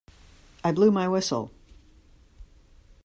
I blew my whistle.